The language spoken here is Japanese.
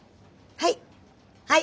はい。